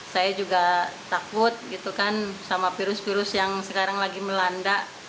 saya juga takut gitu kan sama virus virus yang sekarang lagi melanda